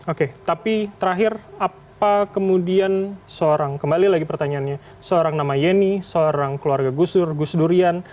oke tapi terakhir apa kemudian seorang kembali lagi pertanyaannya seorang nama ieni seorang keluarga gusdur gusdurian